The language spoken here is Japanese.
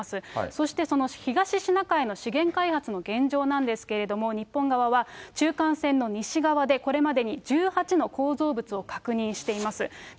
そしてその東シナ海の資源開発の現状なんですけれども、日本側は、中間線の西側で、これまでに１８の構造物を確認しています。